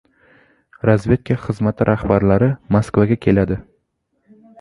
Razvedka xizmati rahbarlari Moskvaga keladi